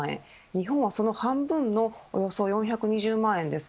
日本はその半分のおよそ４２０万円です。